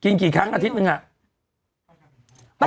กี่ครั้งอาทิตย์หนึ่งอะ